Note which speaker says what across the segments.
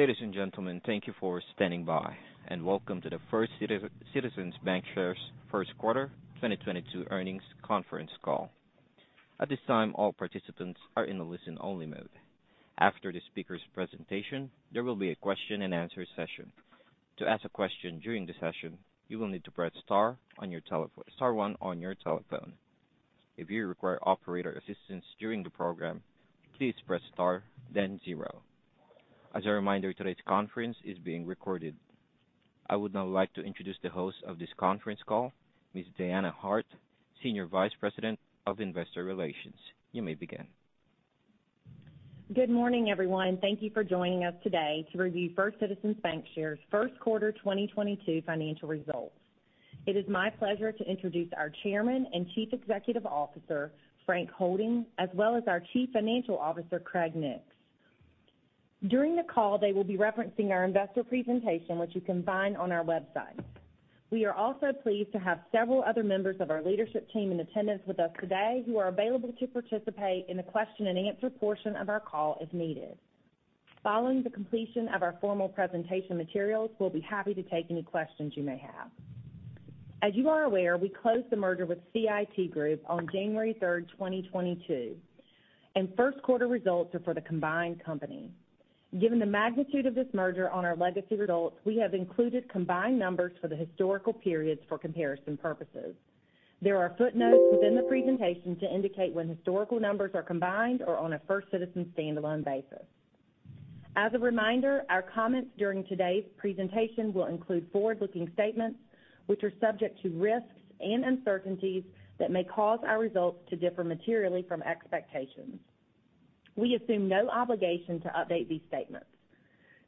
Speaker 1: Ladies and gentlemen, thank you for standing by, and welcome to the First Citizens BancShares first quarter 2022 earnings conference call. At this time, all participants are in a listen-only mode. After the speaker's presentation, there will be a question-and-answer session. To ask a question during the session, you will need to press star one on your telephone. If you require operator assistance during the program, please press star then zero. As a reminder, today's conference is being recorded. I would now like to introduce the host of this conference call, Ms. Deanna Hart, Senior Vice President of Investor Relations. You may begin.
Speaker 2: Good morning, everyone, and thank you for joining us today to review First Citizens BancShares' first quarter 2022 financial results. It is my pleasure to introduce our Chairman and Chief Executive Officer, Frank Holding, as well as our Chief Financial Officer, Craig Nix. During the call, they will be referencing our investor presentation, which you can find on our website. We are also pleased to have several other members of our leadership team in attendance with us today who are available to participate in the question-and-answer portion of our call, if needed. Following the completion of our formal presentation materials, we'll be happy to take any questions you may have. As you are aware, we closed the merger with CIT Group on January third, 2022, and first quarter results are for the combined company. Given the magnitude of this merger on our legacy results, we have included combined numbers for the historical periods for comparison purposes. There are footnotes within the presentation to indicate when historical numbers are combined or on a First Citizens standalone basis. As a reminder, our comments during today's presentation will include forward-looking statements, which are subject to risks and uncertainties that may cause our results to differ materially from expectations. We assume no obligation to update these statements.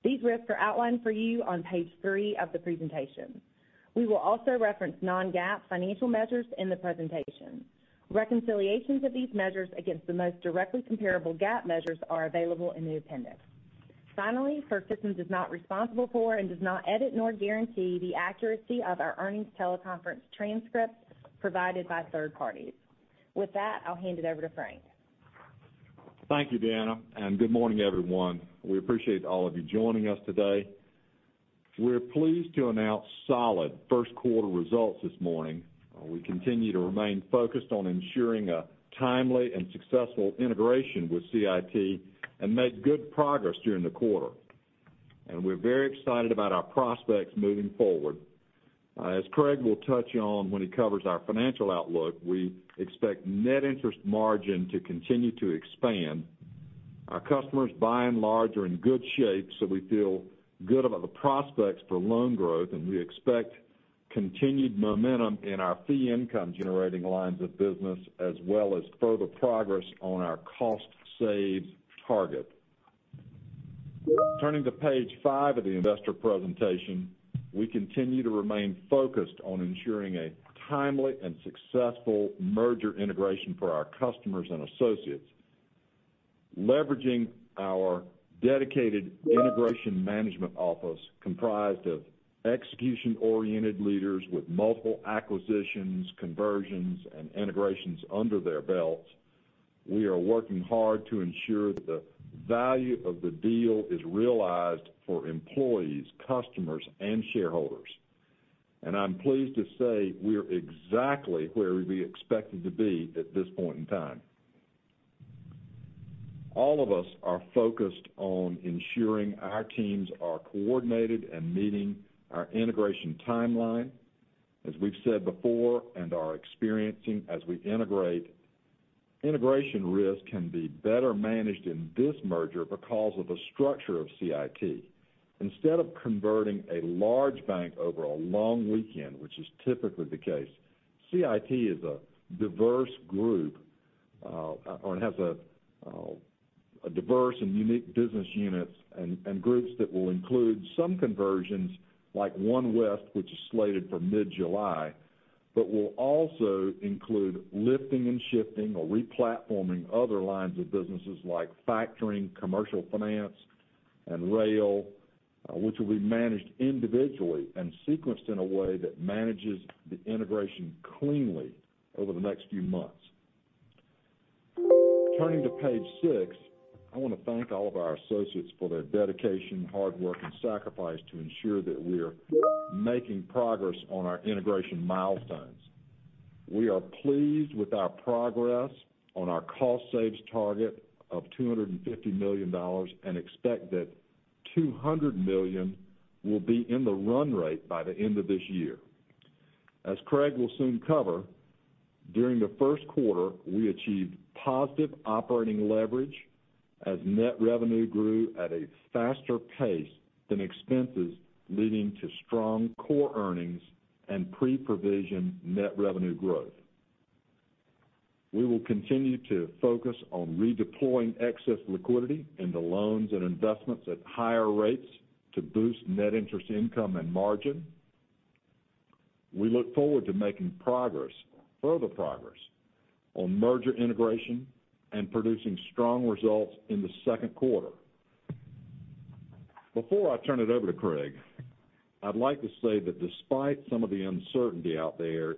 Speaker 2: These risks are outlined for you on page three of the presentation. We will also reference non-GAAP financial measures in the presentation. Reconciliations of these measures against the most directly comparable GAAP measures are available in the appendix. Finally, First Citizens is not responsible for and does not edit nor guarantee the accuracy of our earnings teleconference transcripts provided by third parties. With that, I'll hand it over to Frank.
Speaker 3: Thank you, Deanna, and good morning, everyone. We appreciate all of you joining us today. We're pleased to announce solid first quarter results this morning. We continue to remain focused on ensuring a timely and successful integration with CIT and made good progress during the quarter. We're very excited about our prospects moving forward. As Craig will touch on when he covers our financial outlook, we expect net interest margin to continue to expand. Our customers by and large are in good shape, so we feel good about the prospects for loan growth, and we expect continued momentum in our fee income-generating lines of business as well as further progress on our cost save target. Turning to page five of the investor presentation, we continue to remain focused on ensuring a timely and successful merger integration for our customers and associates. Leveraging our dedicated integration management office comprised of execution-oriented leaders with multiple acquisitions, conversions, and integrations under their belts, we are working hard to ensure that the value of the deal is realized for employees, customers, and shareholders. I'm pleased to say we're exactly where we expected to be at this point in time. All of us are focused on ensuring our teams are coordinated and meeting our integration timeline. As we've said before and are experiencing as we integrate, integration risk can be better managed in this merger because of the structure of CIT. Instead of converting a large bank over a long weekend, which is typically the case, CIT is a diverse group, or it has a diverse and unique business units and groups that will include some conversions like OneWest, which is slated for mid-July, but will also include lifting and shifting or replatforming other lines of businesses like factoring, commercial finance, and rail, which will be managed individually and sequenced in a way that manages the integration cleanly over the next few months. Turning to page six, I wanna thank all of our associates for their dedication, hard work, and sacrifice to ensure that we're making progress on our integration milestones. We are pleased with our progress on our cost savings target of $250 million, and expect that $200 million will be in the run rate by the end of this year. As Craig will soon cover, during the first quarter, we achieved positive operating leverage as net revenue grew at a faster pace than expenses, leading to strong core earnings and pre-provision net revenue growth. We will continue to focus on redeploying excess liquidity into loans and investments at higher rates to boost net interest income and margin. We look forward to making progress, further progress, on merger integration and producing strong results in the second quarter. Before I turn it over to Craig, I'd like to say that despite some of the uncertainty out there,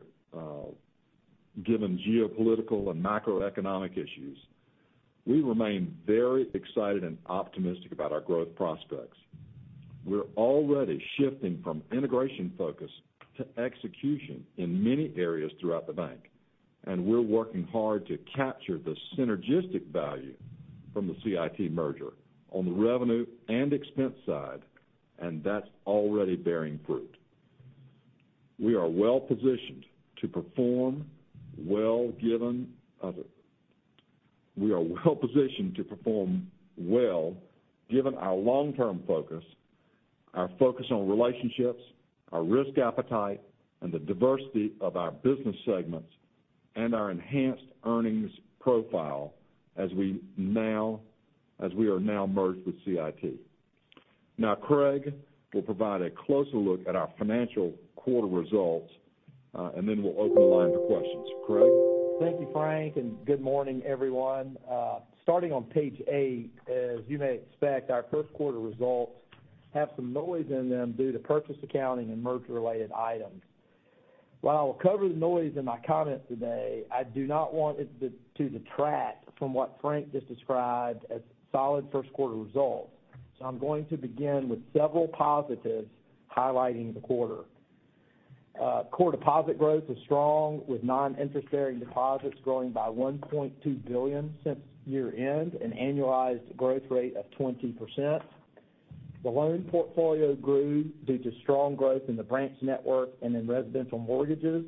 Speaker 3: given geopolitical and macroeconomic issues, we remain very excited and optimistic about our growth prospects. We're already shifting from integration focus to execution in many areas throughout the bank, and we're working hard to capture the synergistic value from the CIT merger on the revenue and expense side, and that's already bearing fruit. We are well-positioned to perform well given our long-term focus, our focus on relationships, our risk appetite, and the diversity of our business segments, and our enhanced earnings profile as we now, as we are now merged with CIT. Now, Craig will provide a closer look at our financial quarter results, and then we'll open the line to questions. Craig?
Speaker 4: Thank you, Frank, and good morning, everyone. Starting on page eight, as you may expect, our first quarter results have some noise in them due to purchase accounting and merger-related items. While I will cover the noise in my comments today, I do not want it to detract from what Frank just described as solid first quarter results. I'm going to begin with several positives highlighting the quarter. Core deposit growth was strong with non-interest-bearing deposits growing by $1.2 billion since year-end, an annualized growth rate of 20%. The loan portfolio grew due to strong growth in the branch network and in residential mortgages.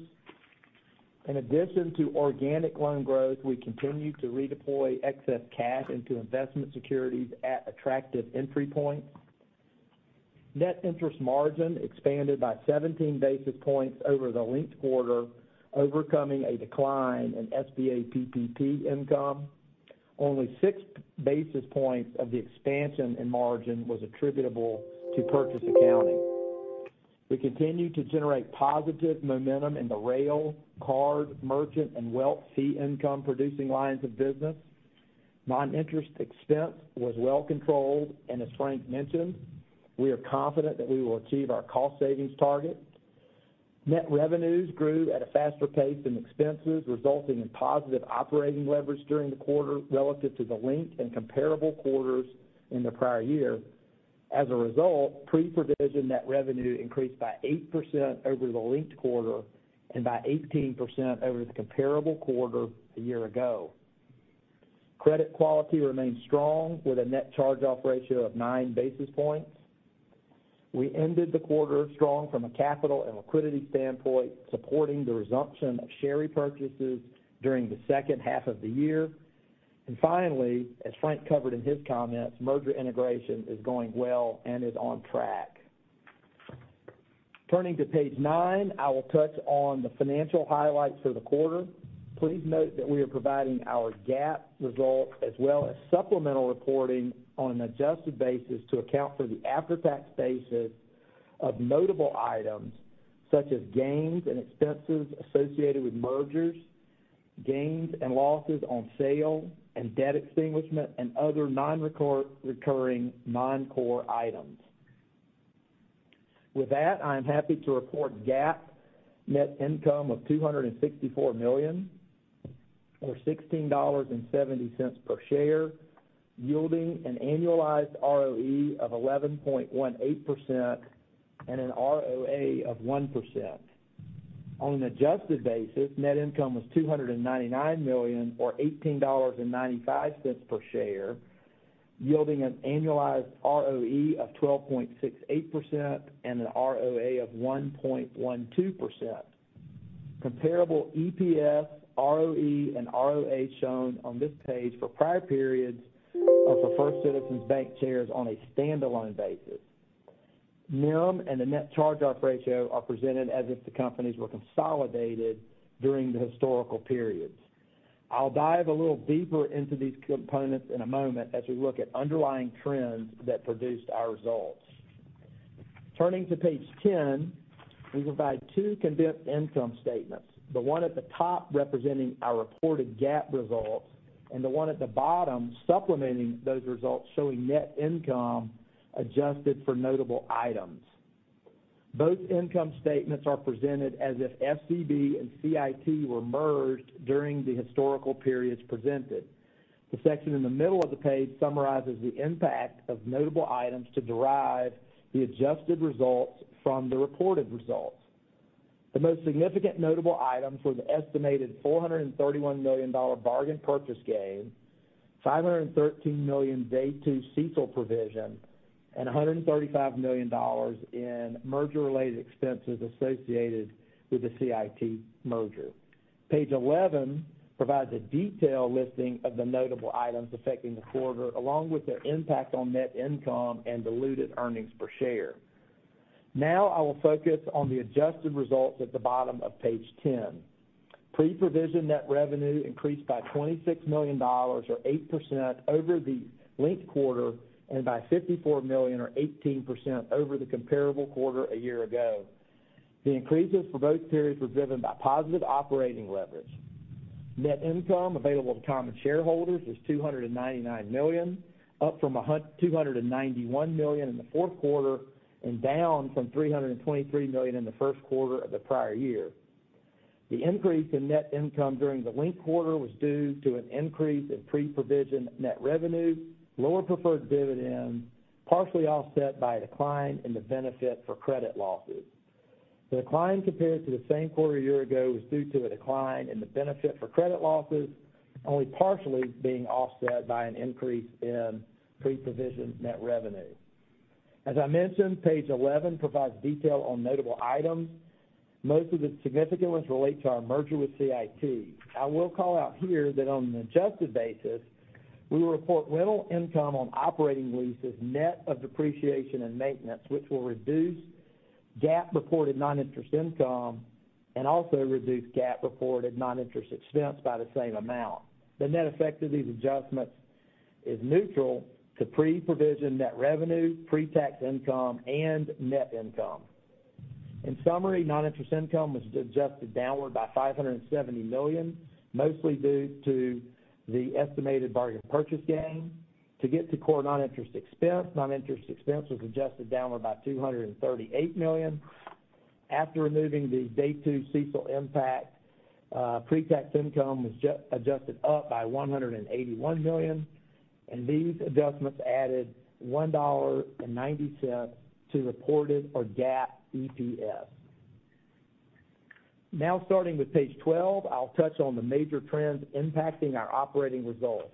Speaker 4: In addition to organic loan growth, we continued to redeploy excess cash into investment securities at attractive entry points. Net interest margin expanded by 17 basis points over the linked quarter, overcoming a decline in SBA PPP income. Only six basis points of the expansion and margin was attributable to purchase accounting. We continued to generate positive momentum in the rail, card, merchant, and wealth fee income producing lines of business. Non-interest expense was well controlled, and as Frank mentioned, we are confident that we will achieve our cost savings target. Net revenues grew at a faster pace than expenses, resulting in positive operating leverage during the quarter relative to the linked and comparable quarters in the prior year. As a result, pre-provision net revenue increased by 8% over the linked quarter and by 18% over the comparable quarter a year ago. Credit quality remained strong with a net charge-off ratio of nine basis points. We ended the quarter strong from a capital and liquidity standpoint, supporting the resumption of share repurchases during the second half of the year. Finally, as Frank covered in his comments, merger integration is going well and is on track. Turning to page nine, I will touch on the financial highlights for the quarter. Please note that we are providing our GAAP results as well as supplemental reporting on an adjusted basis to account for the after-tax basis of notable items such as gains and expenses associated with mergers, gains and losses on sale and debt extinguishment, and other non-recurring, non-core items. With that, I am happy to report GAAP net income of $264 million or $16.70 per share, yielding an annualized ROE of 11.18% and an ROA of 1%. On an adjusted basis, net income was $299 million or $18.95 per share, yielding an annualized ROE of 12.68% and an ROA of 1.12%. Comparable EPS, ROE and ROA shown on this page for prior periods are for First Citizens BancShares shares on a stand-alone basis. NIM and the net charge-off ratio are presented as if the companies were consolidated during the historical periods. I'll dive a little deeper into these components in a moment as we look at underlying trends that produced our results. Turning to page 10, we provide two condensed income statements, the one at the top representing our reported GAAP results, and the one at the bottom supplementing those results showing net income adjusted for notable items. Both income statements are presented as if FCB and CIT were merged during the historical periods presented. The section in the middle of the page summarizes the impact of notable items to derive the adjusted results from the reported results. The most significant notable items was estimated $431 million bargain purchase gain, $513 million Day Two CECL provision, and $135 million in merger-related expenses associated with the CIT merger. Page 11 provides a detailed listing of the notable items affecting the quarter, along with their impact on net income and diluted earnings per share. Now I will focus on the adjusted results at the bottom of page 10. Pre-provision net revenue increased by $26 million or 8% over the linked quarter and by $54 million or 18% over the comparable quarter a year ago. The increases for both periods were driven by positive operating leverage. Net income available to common shareholders is $299 million, up from $291 million in the fourth quarter, and down from $323 million in the first quarter of the prior year. The increase in net income during the linked quarter was due to an increase in pre-provision net revenue, lower preferred dividend, partially offset by a decline in the benefit for credit losses. The decline compared to the same quarter a year ago, was due to a decline in the benefit for credit losses, only partially being offset by an increase in pre-provision net revenue. As I mentioned, page 11 provides detail on notable items. Most of the significant ones relate to our merger with CIT. I will call out here that on an adjusted basis, we report rental income on operating leases, net of depreciation and maintenance, which will reduce GAAP reported non-interest income and also reduce GAAP reported non-interest expense by the same amount. The net effect of these adjustments is neutral to pre-provision net revenue, pre-tax income, and net income. In summary, non-interest income was adjusted downward by $570 million, mostly due to the estimated bargain purchase gain. To get to core non-interest expense, non-interest expense was adjusted downward by $238 million. After removing the Day Two CECL impact, pre-tax income was adjusted up by $181 million, and these adjustments added $1.90 to reported or GAAP EPS. Now, starting with page 12, I'll touch on the major trends impacting our operating results.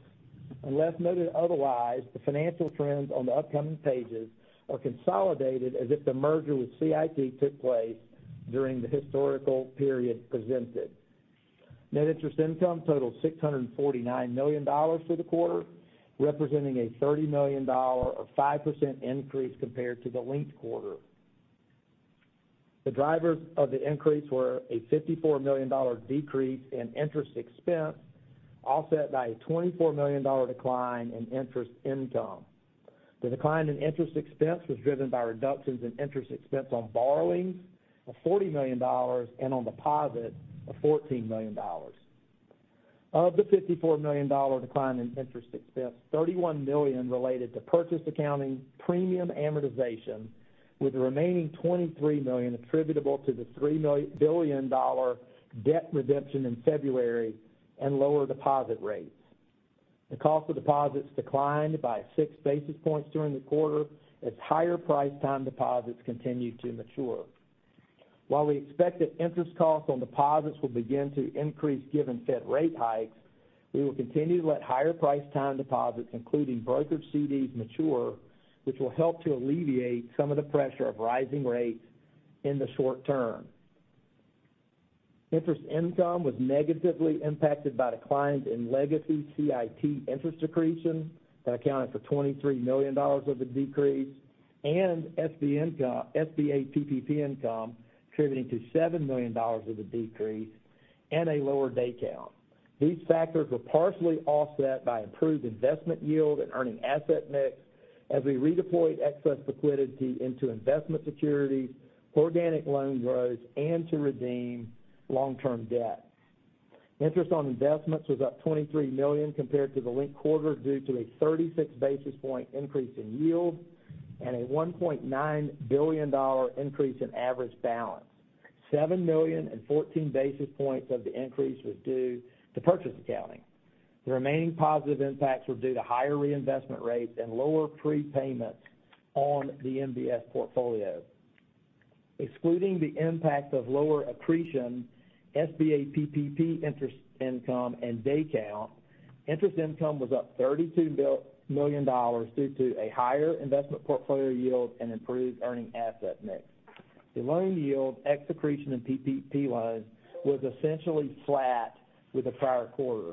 Speaker 4: Unless noted otherwise, the financial trends on the upcoming pages are consolidated as if the merger with CIT took place during the historical period presented. Net interest income totaled $649 million for the quarter, representing a $30 million or 5% increase compared to the linked quarter. The drivers of the increase were a $54 million decrease in interest expense, offset by a $24 million decline in interest income. The decline in interest expense was driven by reductions in interest expense on borrowings of $40 million, and on deposits of $14 million. Of the $54 million decline in interest expense, $31 million related to purchase accounting premium amortization, with the remaining $23 million attributable to the $3 billion debt redemption in February and lower deposit rates. The cost of deposits declined by six basis points during the quarter, as higher price time deposits continued to mature. While we expect that interest costs on deposits will begin to increase given Fed rate hikes, we will continue to let higher price time deposits, including brokered CDs, mature, which will help to alleviate some of the pressure of rising rates in the short term. Interest income was negatively impacted by declines in legacy CIT interest accretion that accounted for $23 million of the decrease, and SBA PPP income attributable to $7 million of the decrease and a lower day count. These factors were partially offset by improved investment yield and earning asset mix as we redeployed excess liquidity into investment securities, organic loan growth, and to redeem long-term debt. Interest on investments was up $23 million compared to the linked quarter due to a 36 basis point increase in yield and a $1.9 billion increase in average balance. $7 million and 14 basis points of the increase was due to purchase accounting. The remaining positive impacts were due to higher reinvestment rates and lower prepayments on the MBS portfolio. Excluding the impact of lower accretion, SBA PPP interest income and day count, interest income was up $32 million due to a higher investment portfolio yield and improved earning asset mix. The loan yield, ex accretion and PPP loans, was essentially flat with the prior quarter.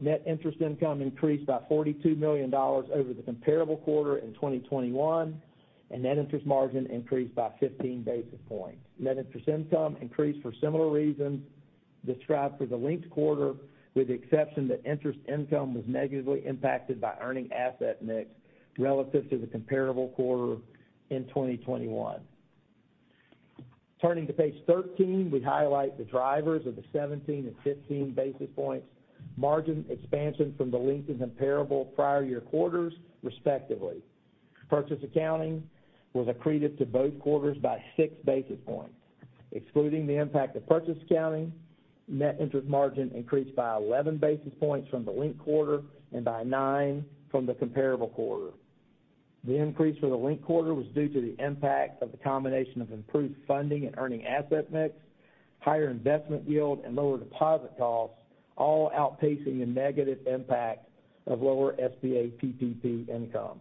Speaker 4: Net interest income increased by $42 million over the comparable quarter in 2021, and net interest margin increased by 15 basis points. Net interest income increased for similar reasons described for the linked quarter, with the exception that interest income was negatively impacted by earning asset mix relative to the comparable quarter in 2021. Turning to page 13, we highlight the drivers of the 17 and 15 basis points margin expansion from the linked and comparable prior year quarters, respectively. Purchase accounting was accreted to both quarters by 6 basis points. Excluding the impact of purchase accounting, net interest margin increased by 11 basis points from the linked quarter and by nine from the comparable quarter. The increase for the linked quarter was due to the impact of the combination of improved funding and earning asset mix, higher investment yield, and lower deposit costs, all outpacing the negative impact of lower SBA PPP income.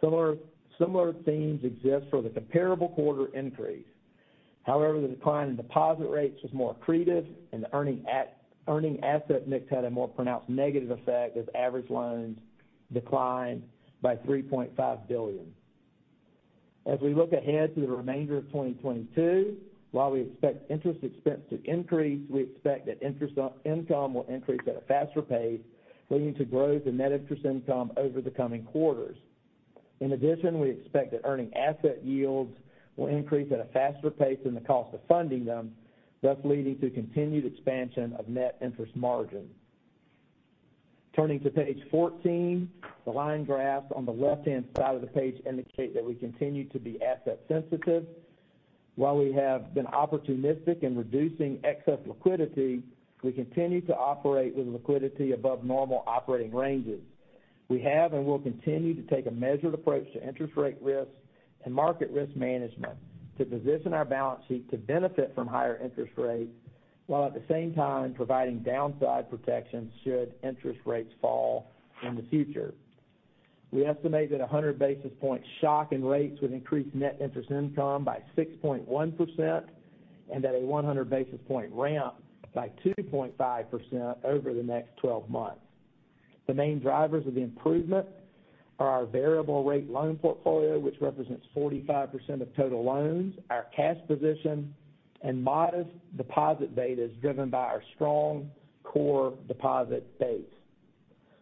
Speaker 4: Similar themes exist for the comparable quarter increase. However, the decline in deposit rates was more accretive, and the earning asset mix had a more pronounced negative effect as average loans declined by $3.5 billion. As we look ahead to the remainder of 2022, while we expect interest expense to increase, we expect that interest income will increase at a faster pace, leading to growth in net interest income over the coming quarters. In addition, we expect that earning asset yields will increase at a faster pace than the cost of funding them, thus leading to continued expansion of net interest margin. Turning to page 14, the line graph on the left-hand side of the page indicate that we continue to be asset sensitive. While we have been opportunistic in reducing excess liquidity, we continue to operate with liquidity above normal operating ranges. We have and will continue to take a measured approach to interest rate risks and market risk management to position our balance sheet to benefit from higher interest rates, while at the same time providing downside protection should interest rates fall in the future. We estimate that a 100 basis point shock in rates would increase net interest income by 6.1% and at a 100 basis point ramp by 2.5% over the next 12 months. The main drivers of the improvement are our variable rate loan portfolio, which represents 45% of total loans, our cash position, and modest deposit betas driven by our strong core deposit base.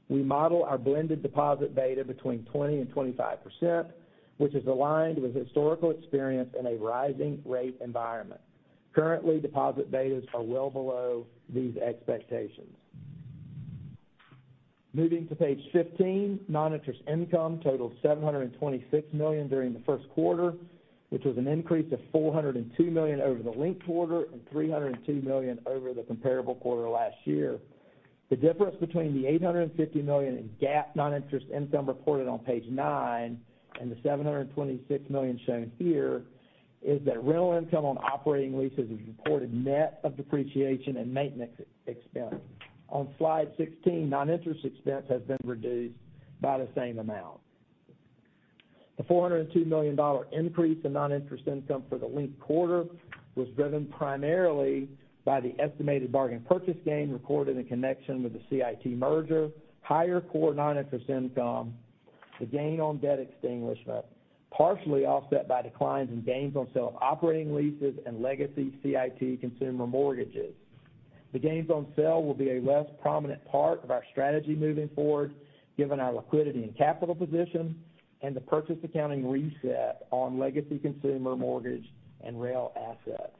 Speaker 4: We model our blended deposit beta between 20% and 25%, which is aligned with historical experience in a rising rate environment. Currently, deposit betas are well below these expectations. Moving to page 15, noninterest income totaled $726 million during the first quarter, which was an increase of $402 million over the linked quarter and $302 million over the comparable quarter last year. The difference between the $850 million in GAAP noninterest income reported on page nine and the $726 million shown here is that rental income on operating leases is reported net of depreciation and maintenance expense. On slide 16, noninterest expense has been reduced by the same amount. The $402 million increase in non-interest income for the linked quarter was driven primarily by the estimated bargain purchase gain recorded in connection with the CIT merger, higher core non-interest income, the gain on debt extinguishment, partially offset by declines in gains on sale of operating leases and legacy CIT consumer mortgages. The gains on sale will be a less prominent part of our strategy moving forward, given our liquidity and capital position and the purchase accounting reset on legacy consumer mortgage and rail assets.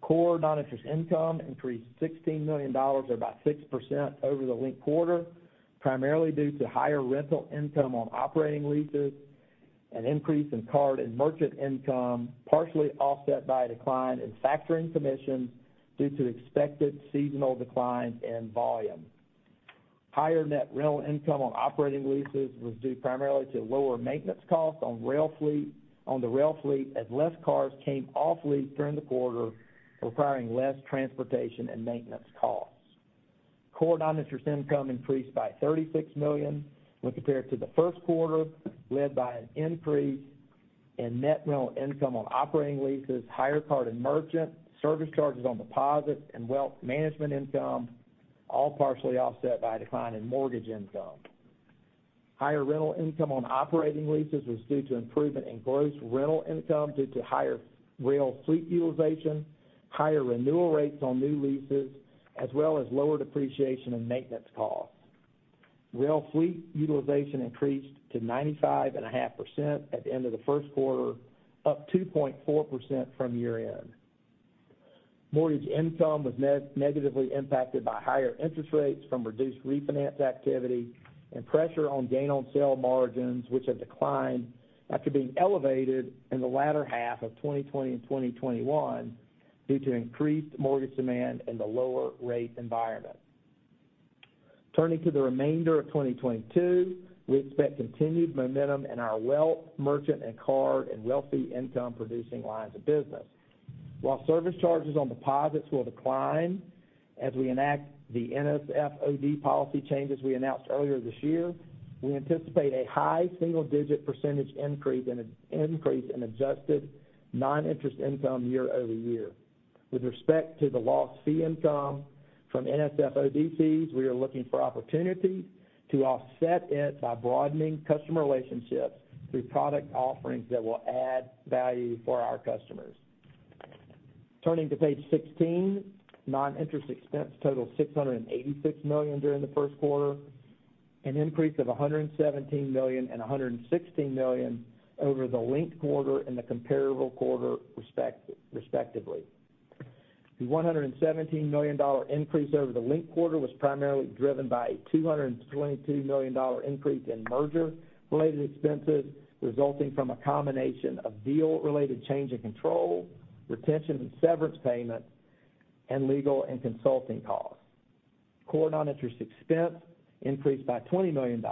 Speaker 4: Core non-interest income increased $16 million or about 6% over the linked quarter, primarily due to higher rental income on operating leases, an increase in card and merchant income, partially offset by a decline in factoring commissions due to expected seasonal declines in volume. Higher net rental income on operating leases was due primarily to lower maintenance costs on the rail fleet as less cars came off lease during the quarter, requiring less transportation and maintenance costs. Core noninterest income increased by $36 million when compared to the first quarter, led by an increase in net rental income on operating leases, higher card and merchant, service charges on deposits and wealth management income, all partially offset by a decline in mortgage income. Higher rental income on operating leases was due to improvement in gross rental income due to higher rail fleet utilization, higher renewal rates on new leases, as well as lower depreciation and maintenance costs. Rail fleet utilization increased to 95.5% at the end of the first quarter, up 2.4% from year-end. Mortgage income was negatively impacted by higher interest rates from reduced refinance activity and pressure on gain on sale margins, which have declined after being elevated in the latter half of 2020 and 2021 due to increased mortgage demand in the lower rate environment. Turning to the remainder of 2022, we expect continued momentum in our wealth, merchant and card and wealthy income producing lines of business. While service charges on deposits will decline as we enact the NSF/OD policy changes we announced earlier this year, we anticipate a high single-digit % increase in increase in adjusted non-interest income year over year. With respect to the lost fee income from NSF/OD fees, we are looking for opportunities to offset it by broadening customer relationships through product offerings that will add value for our customers. Turning to page 16, noninterest expense totaled $686 million during the first quarter, an increase of $117 million and $116 million over the linked quarter and the comparable quarter, respectively. The $117 million increase over the linked quarter was primarily driven by a $222 million increase in merger-related expenses, resulting from a combination of deal-related change-in-control, retention, and severance payments, and legal and consulting costs. Core noninterest expense increased by $20 million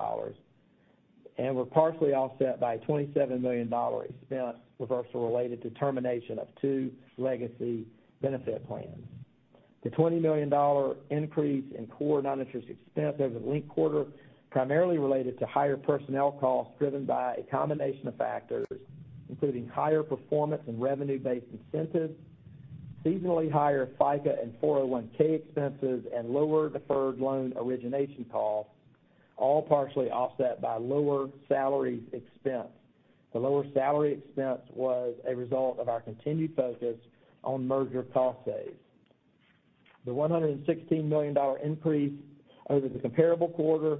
Speaker 4: and was partially offset by a $27 million expense reversal related to termination of two legacy benefit plans. The $20 million increase in core noninterest expense over the linked quarter primarily related to higher personnel costs driven by a combination of factors, including higher performance and revenue-based incentives, seasonally higher FICA and 401 expenses, and lower deferred loan origination costs, all partially offset by lower salaries expense. The lower salary expense was a result of our continued focus on merger cost saves. The $116 million increase over the comparable quarter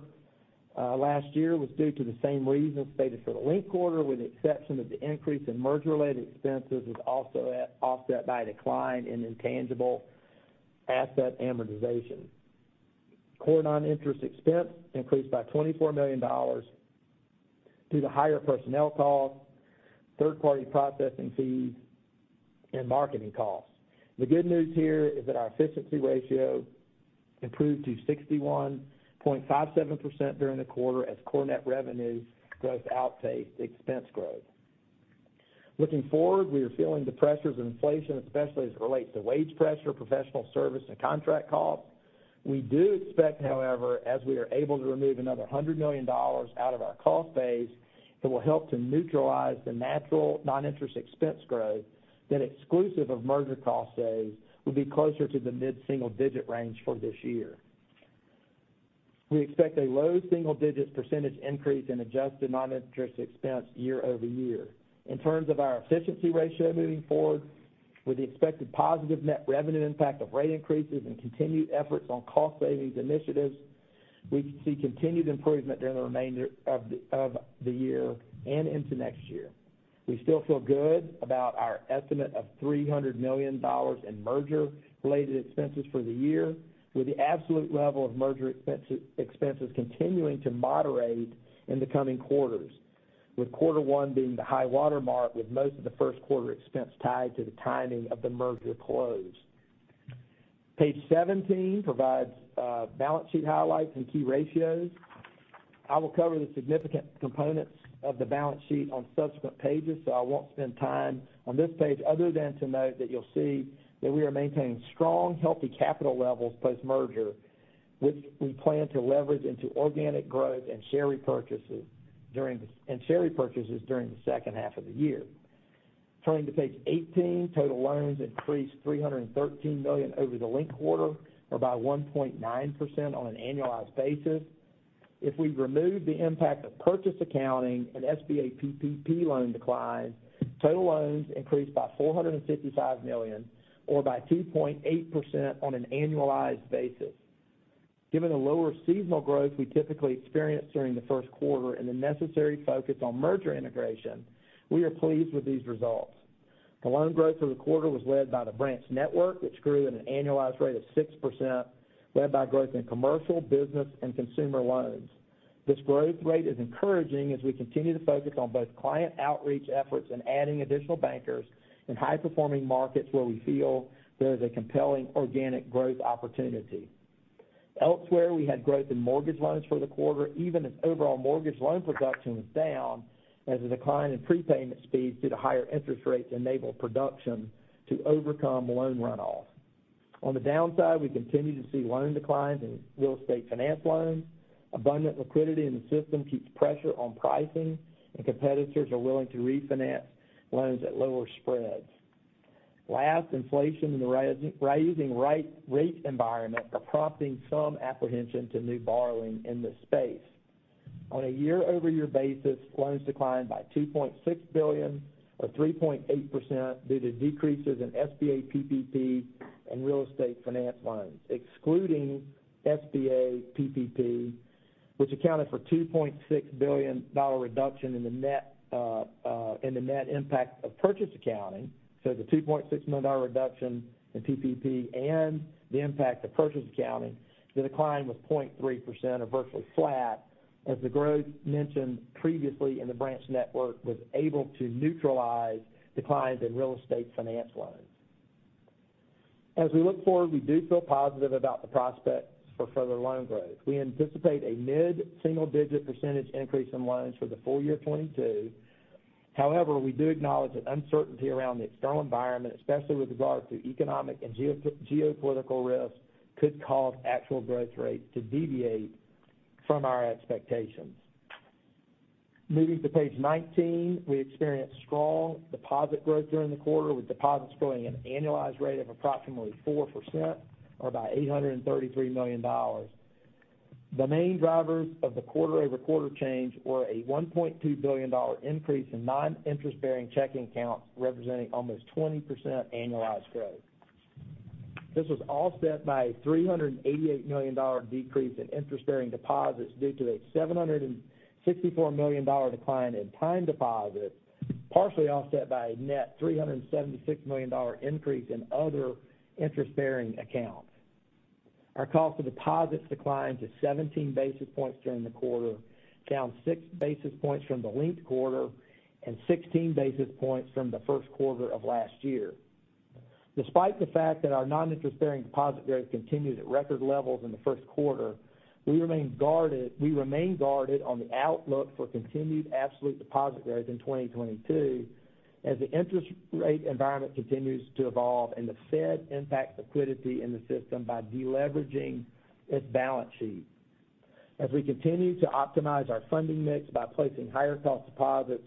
Speaker 4: last year was due to the same reasons stated for the linked quarter, with the exception of the increase in merger-related expenses offset by a decline in intangible asset amortization. Core noninterest expense increased by $24 million due to higher personnel costs, third-party processing fees, and marketing costs. The good news here is that our efficiency ratio improved to 61.57% during the quarter as core net revenue growth outpaced expense growth. Looking forward, we are feeling the pressures of inflation, especially as it relates to wage pressure, professional service, and contract costs. We do expect, however, as we are able to remove another $100 million out of our cost base, it will help to neutralize the natural non-interest expense growth that, exclusive of merger cost savings, will be closer to the mid-single-digit range for this year. We expect a low single-digit percentage increase in adjusted non-interest expense year-over-year. In terms of our efficiency ratio moving forward, with the expected positive net revenue impact of rate increases and continued efforts on cost savings initiatives, we see continued improvement during the remainder of the year and into next year. We still feel good about our estimate of $300 million in merger-related expenses for the year, with the absolute level of merger expenses continuing to moderate in the coming quarters, with quarter one being the high-water mark with most of the first quarter expense tied to the timing of the merger close. Page 17 provides balance sheet highlights and key ratios. I will cover the significant components of the balance sheet on subsequent pages, so I won't spend time on this page other than to note that you'll see that we are maintaining strong, healthy capital levels post-merger, which we plan to leverage into organic growth and share repurchases during the second half of the year. Turning to page 18, total loans increased $313 million over the linked quarter, or by 1.9% on an annualized basis. If we remove the impact of purchase accounting and SBA PPP loan declines, total loans increased by $455 million, or by 2.8% on an annualized basis. Given the lower seasonal growth we typically experience during the first quarter and the necessary focus on merger integration, we are pleased with these results. The loan growth for the quarter was led by the branch network, which grew at an annualized rate of 6%, led by growth in commercial, business, and consumer loans. This growth rate is encouraging as we continue to focus on both client outreach efforts and adding additional bankers in high-performing markets where we feel there is a compelling organic growth opportunity. Elsewhere, we had growth in mortgage loans for the quarter, even as overall mortgage loan production was down, as a decline in prepayment speeds due to higher interest rates enabled production to overcome loan runoff. On the downside, we continue to see loan declines in real estate finance loans. Abundant liquidity in the system keeps pressure on pricing, and competitors are willing to refinance loans at lower spreads. Last, inflation and the rising rate environment are prompting some apprehension to new borrowing in this space. On a year-over-year basis, loans declined by $2.6 billion or 3.8% due to decreases in SBA PPP and real estate finance loans. Excluding SBA PPP, which accounted for $2.6 billion reduction in the net impact of purchase accounting, so the $2.6 million reduction in PPP and the impact of purchase accounting, the decline was 0.3% or virtually flat, as the growth mentioned previously in the branch network was able to neutralize declines in real estate finance loans. As we look forward, we do feel positive about the prospects for further loan growth. We anticipate a mid-single-digit % increase in loans for the full year 2022. However, we do acknowledge that uncertainty around the external environment, especially with regard to economic and geopolitical risks, could cause actual growth rates to deviate from our expectations. Moving to page 19, we experienced strong deposit growth during the quarter, with deposits growing at an annualized rate of approximately 4% or about $833 million. The main drivers of the quarter-over-quarter change were a $1.2 billion increase in non-interest-bearing checking accounts, representing almost 20% annualized growth. This was offset by $388 million decrease in interest-bearing deposits due to a $764 million decline in time deposits, partially offset by a net $376 million increase in other interest-bearing accounts. Our cost of deposits declined to 17 basis points during the quarter, down 6 basis points from the linked quarter and 16 basis points from the first quarter of last year. Despite the fact that our non-interest-bearing deposit growth continues at record levels in the first quarter, we remain guarded on the outlook for continued absolute deposit growth in 2022 as the interest rate environment continues to evolve and the Fed impacts liquidity in the system by deleveraging its balance sheet. As we continue to optimize our funding mix by replacing higher cost deposits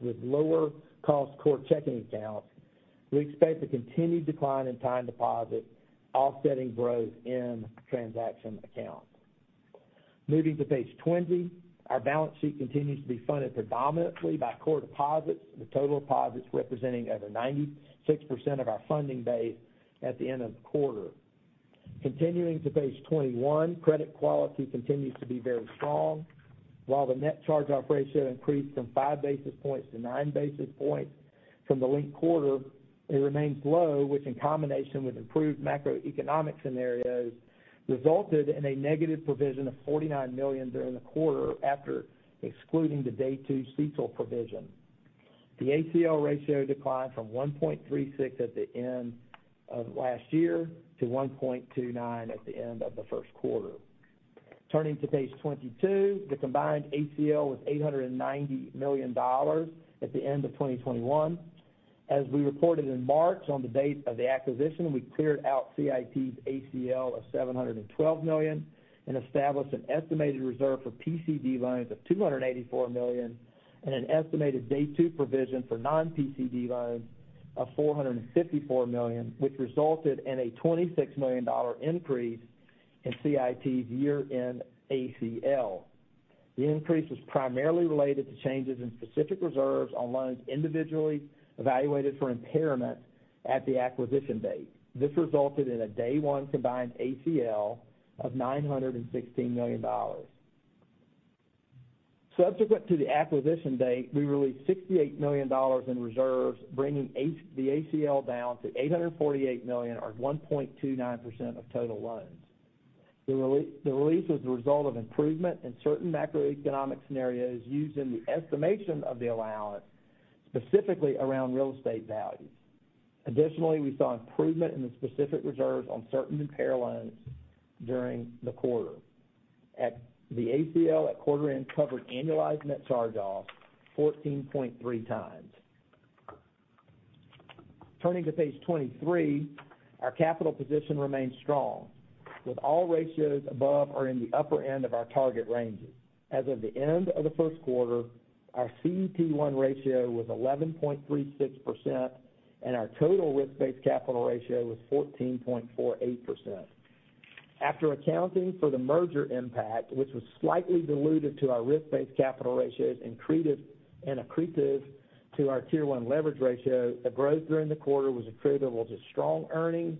Speaker 4: with lower cost core checking accounts, we expect a continued decline in time deposits offsetting growth in transaction accounts. Moving to page 20, our balance sheet continues to be funded predominantly by core deposits, with total deposits representing over 96% of our funding base at the end of the quarter. Continuing to page 21, credit quality continues to be very strong. While the net charge-off ratio increased from 5 basis points to 9 basis points from the linked quarter, it remains low, which in combination with improved macroeconomic scenarios, resulted in a negative provision of $49 million during the quarter after excluding the day two CECL provision. The ACL ratio declined from 1.36 at the end of last year to 1.29 at the end of the first quarter. Turning to page 22, the combined ACL was $890 million at the end of 2021. As we reported in March, on the date of the acquisition, we cleared out CIT's ACL of $712 million and established an estimated reserve for PCD loans of $284 million, and an estimated day two provision for non-PCD loans of $454 million, which resulted in a $26 million increase in CIT's year-end ACL. The increase was primarily related to changes in specific reserves on loans individually evaluated for impairment at the acquisition date. This resulted in a day one combined ACL of $916 million. Subsequent to the acquisition date, we released $68 million in reserves, bringing the ACL down to $848 million or 1.29% of total loans. The release was a result of improvement in certain macroeconomic scenarios used in the estimation of the allowance, specifically around real estate values. Additionally, we saw improvement in the specific reserves on certain impaired loans during the quarter. At the ACL, at quarter end covered annualized net charge-offs 14.3 times. Turning to page 23, our capital position remains strong, with all ratios above or in the upper end of our target ranges. As of the end of the first quarter, our CET1 ratio was 11.36% and our total risk-based capital ratio was 14.48%. After accounting for the merger impact, which was slightly dilutive to our risk-based capital ratios, accretive to our Tier 1 leverage ratio, the growth during the quarter was attributable to strong earnings,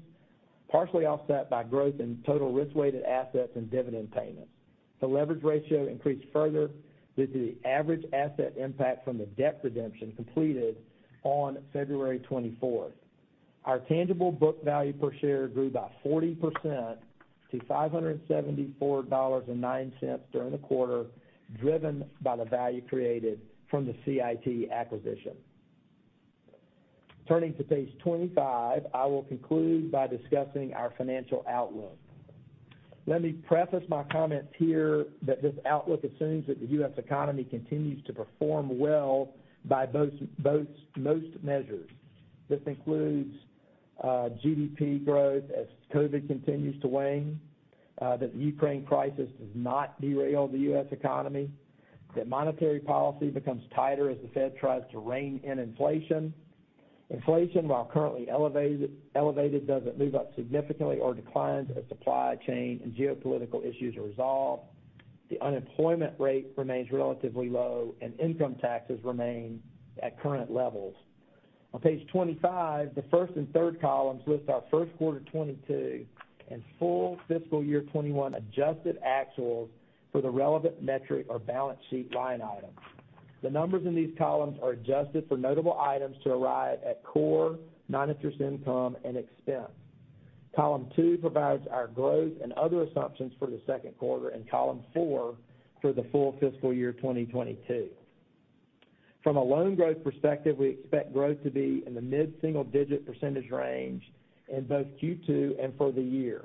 Speaker 4: partially offset by growth in total risk-weighted assets and dividend payments. The leverage ratio increased further with the average asset impact from the debt redemption completed on February 24. Our tangible book value per share grew by 40% to $574.09 during the quarter, driven by the value created from the CIT acquisition. Turning to page 25, I will conclude by discussing our financial outlook. Let me preface my comments here that this outlook assumes that the U.S. economy continues to perform well by most measures. This includes GDP growth as COVID continues to wane, that the Ukraine crisis does not derail the U.S. economy, that monetary policy becomes tighter as the Fed tries to rein in inflation. Inflation, while currently elevated, doesn't move up significantly or declines as supply chain and geopolitical issues are resolved. The unemployment rate remains relatively low and income taxes remain at current levels. On page 25, the first and third columns list our first quarter 2022 and full fiscal year 2021 adjusted actuals for the relevant metric or balance sheet line item. The numbers in these columns are adjusted for notable items to arrive at core noninterest income and expense. Column two provides our growth and other assumptions for the second quarter and column four for the full fiscal year 2022. From a loan growth perspective, we expect growth to be in the mid-single-digit % range in both Q2 and for the year.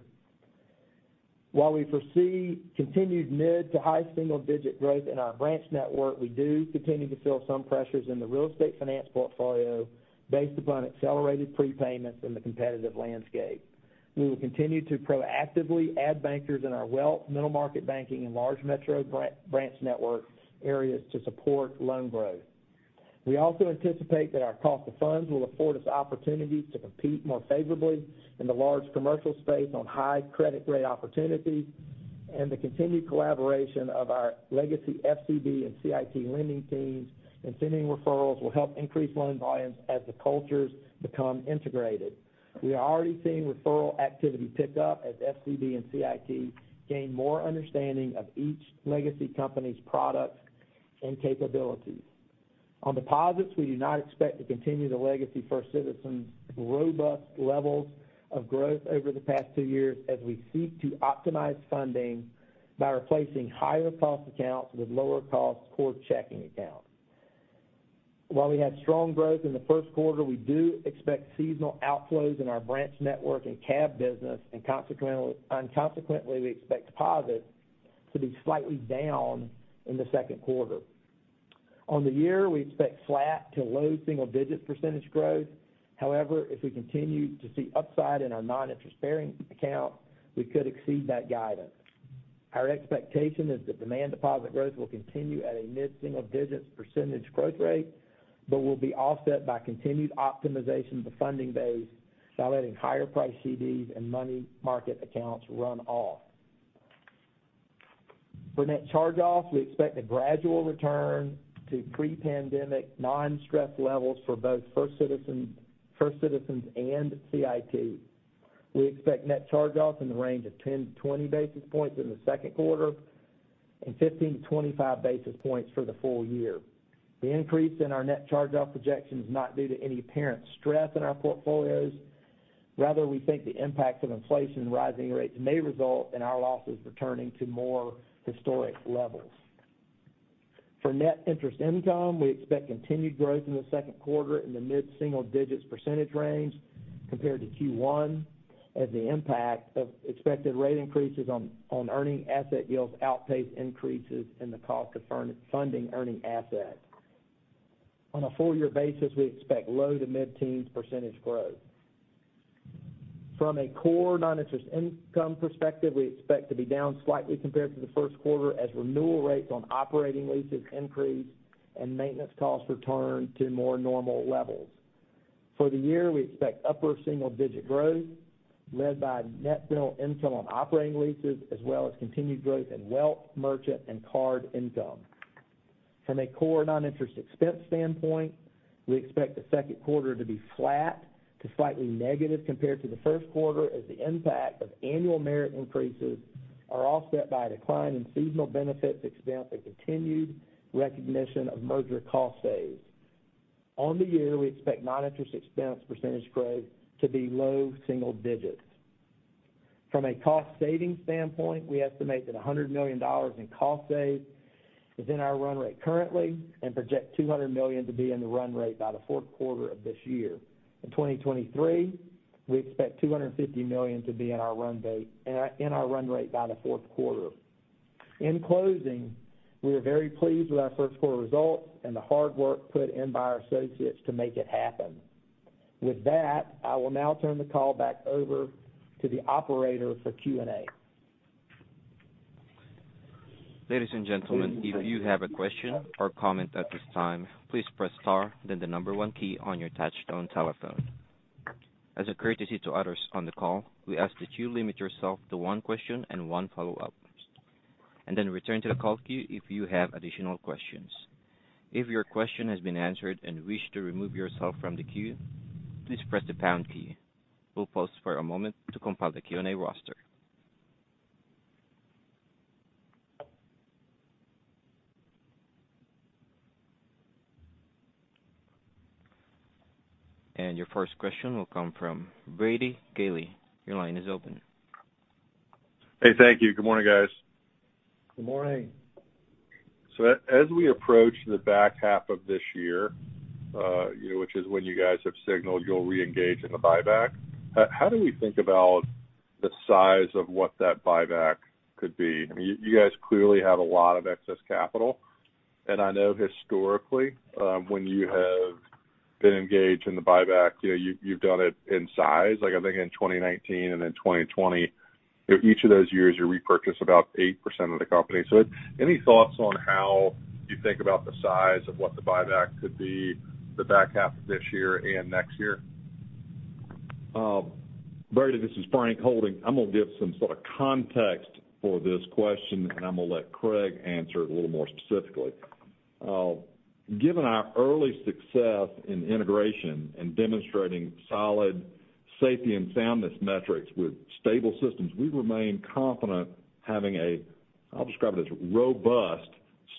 Speaker 4: While we foresee continued mid- to high-single-digit % growth in our branch network, we do continue to feel some pressures in the real estate finance portfolio based upon accelerated prepayments in the competitive landscape. We will continue to proactively add bankers in our wealth, middle market banking, and large metro branch network areas to support loan growth. We also anticipate that our cost of funds will afford us opportunities to compete more favorably in the large commercial space on high credit grade opportunities, and the continued collaboration of our legacy FCB and CIT lending teams and sending referrals will help increase loan volumes as the cultures become integrated. We are already seeing referral activity pick up as FCB and CIT gain more understanding of each legacy company's products and capabilities. On deposits, we do not expect to continue the legacy First Citizens' robust levels of growth over the past two years as we seek to optimize funding by replacing higher cost accounts with lower cost core checking accounts. While we had strong growth in the first quarter, we do expect seasonal outflows in our branch network and CAB business, and consequently, we expect deposits to be slightly down in the second quarter. For the year, we expect flat to low single-digit % growth. However, if we continue to see upside in our noninterest-bearing account, we could exceed that guidance. Our expectation is that demand deposit growth will continue at a mid-single-digit % growth rate. It will be offset by continued optimization of the funding base by letting higher price CDs and money market accounts run off. We expect a gradual return to pre-pandemic non-stress levels for both First Citizens and CIT. We expect net charge-offs in the range of 10-20 basis points in the second quarter and 15-25 basis points for the full year. The increase in our net charge-off projection is not due to any apparent stress in our portfolios. Rather, we think the impact of inflation rising rates may result in our losses returning to more historic levels. For net interest income, we expect continued growth in the second quarter in the mid-single digits% range compared to Q1, as the impact of expected rate increases on earning asset yields outpace increases in the cost of funding earning assets. On a full year basis, we expect low- to mid-teens% growth. From a core noninterest income perspective, we expect to be down slightly compared to the first quarter as renewal rates on operating leases increase and maintenance costs return to more normal levels. For the year, we expect upper single-digit% growth led by net rental income on operating leases, as well as continued growth in wealth, merchant, and card income. From a core non-interest expense standpoint, we expect the second quarter to be flat to slightly negative compared to the first quarter as the impact of annual merit increases are offset by a decline in seasonal benefits expense and continued recognition of merger cost savings. On the year, we expect non-interest expense percentage growth to be low single digits%. From a cost-saving standpoint, we estimate that $100 million in cost savings is in our run rate currently, and project $200 million to be in the run rate by the fourth quarter of this year. In 2023, we expect $250 million to be in our run rate by the fourth quarter. In closing, we are very pleased with our first quarter results and the hard work put in by our associates to make it happen. With that, I will now turn the call back over to the operator for Q&A.
Speaker 1: Ladies and gentlemen, if you have a question or comment at this time, please press star, then the number one key on your touchtone telephone. As a courtesy to others on the call, we ask that you limit yourself to one question and one follow-up, and then return to the call queue if you have additional questions. If your question has been answered and wish to remove yourself from the queue, please press the pound key. We'll pause for a moment to compile the Q&A roster. Your first question will come from Brady Gailey. Your line is open.
Speaker 5: Hey, thank you. Good morning, guys.
Speaker 4: Good morning.
Speaker 5: As we approach the back half of this year, you know, which is when you guys have signaled you'll reengage in the buyback, how do we think about the size of what that buyback could be? I mean, you guys clearly have a lot of excess capital. I know historically, when you have been engaged in the buyback, you know, you've done it in size, like I think in 2019 and in 2020. Each of those years, you repurchase about 8% of the company. Any thoughts on how you think about the size of what the buyback could be in the back half of this year and next year?
Speaker 3: Brady, this is Frank Holding. I'm gonna give some sort of context for this question, and I'm gonna let Craig answer it a little more specifically. Given our early success in integration and demonstrating solid safety and soundness metrics with stable systems, we remain confident having a, I'll describe it as robust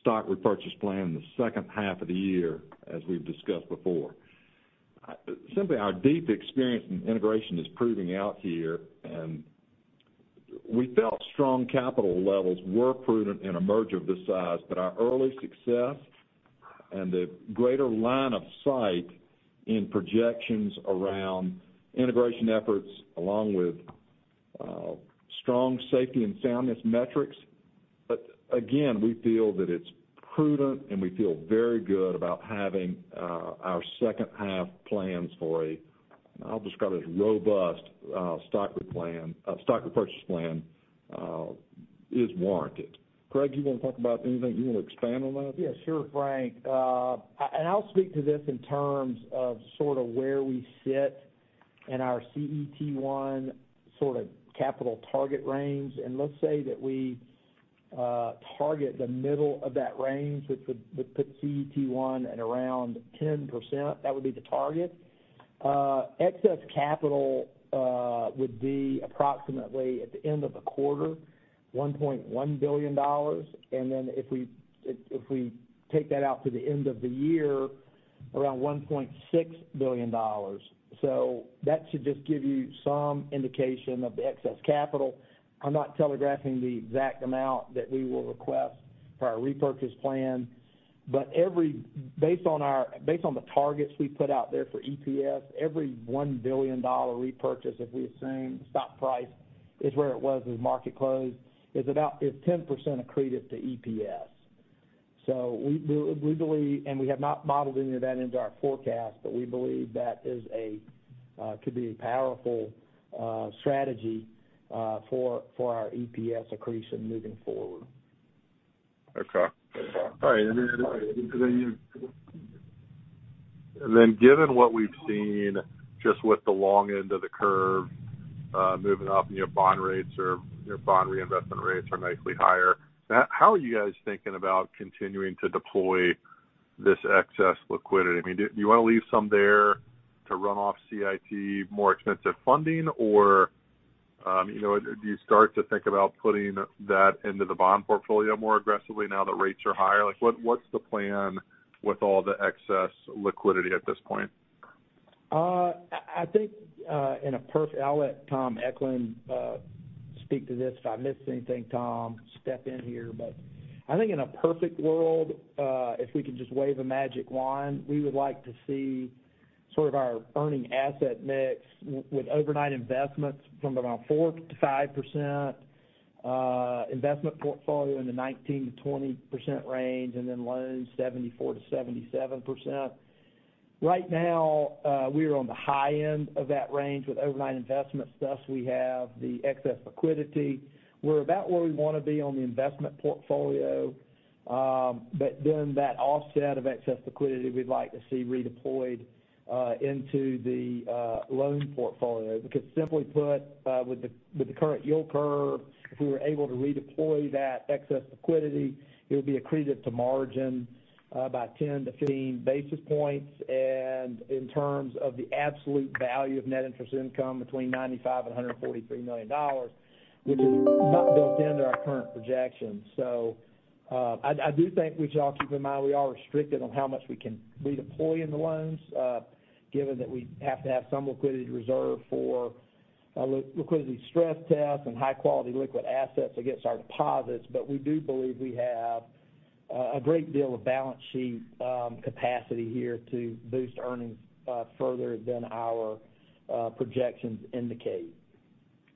Speaker 3: stock repurchase plan in the second half of the year, as we've discussed before. Simply, our deep experience in integration is proving out here, and we felt strong capital levels were prudent in a merger of this size. Our early success and the greater line of sight in projections around integration efforts, along with strong safety and soundness metrics.
Speaker 4: Again, we feel that it's prudent, and we feel very good about having our second half plans for a, I'll describe it as robust stock purchase plan is warranted. Craig, you want to talk about anything? You want to expand on that? Yes, sure, Frank. I'll speak to this in terms of sort of where we sit in our CET1 sort of capital target range. Let's say that we target the middle of that range, which would put CET1 at around 10%. That would be the target. Excess capital would be approximately at the end of the quarter, $1.1 billion. Then if we take that out to the end of the year, around $1.6 billion. That should just give you some indication of the excess capital. I'm not telegraphing the exact amount that we will request for our repurchase plan. Based on the targets we put out there for EPS, every $1 billion repurchase, if we assume stock price is where it was as market closed, is 10% accretive to EPS. We believe, and we have not modeled any of that into our forecast, but we believe that could be a powerful strategy for our EPS accretion moving forward.
Speaker 5: Okay. All right. Given what we've seen just with the long end of the curve moving up and your bond rates or your bond reinvestment rates are nicely higher, how are you guys thinking about continuing to deploy this excess liquidity? I mean, do you want to leave some there to run off CIT more expensive funding? Or, you know, do you start to think about putting that into the bond portfolio more aggressively now that rates are higher? Like, what's the plan with all the excess liquidity at this point?
Speaker 4: I think in a perfect world, if we could just wave a magic wand, we would like to see sort of our earning asset mix with overnight investments from about 4%-5%, investment portfolio in the 19%-20% range, and then loans 74%-77%. Right now, we are on the high end of that range with overnight investment stuff. We have the excess liquidity. We're about where we want to be on the investment portfolio, but then that offset of excess liquidity, we'd like to see redeployed into the loan portfolio. Because simply put, with the current yield curve, if we were able to redeploy that excess liquidity, it would be accretive to margin by 10-15 basis points. In terms of the absolute value of net interest income between $95 million and $143 million, which is not built into our current projections. I do think we should all keep in mind, we are restricted on how much we can redeploy in the loans, given that we have to have some liquidity reserve for liquidity stress tests and high-quality liquid assets against our deposits. We do believe we have a great deal of balance sheet capacity here to boost earnings further than our projections indicate.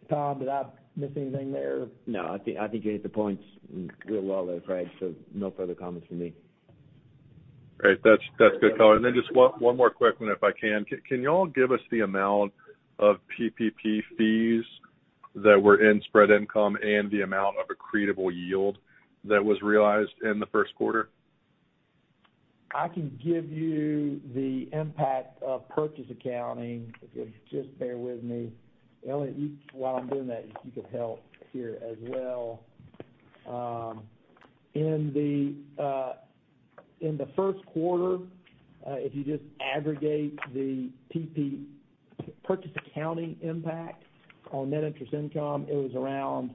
Speaker 4: Tom, did I miss anything there?
Speaker 6: No, I think you hit the points real well there, Craig, so no further comments from me.
Speaker 5: Great. That's good color. Just one more quick one if I can. Can you all give us the amount of PPP fees that were in spread income and the amount of accretable yield that was realized in the first quarter?
Speaker 4: I can give you the impact of purchase accounting, if you'll just bear with me. Elliot, you while I'm doing that, if you could help here as well. In the first quarter, if you just aggregate the purchase accounting impact on net interest income, it was around